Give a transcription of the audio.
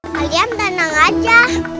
kalian tenang aja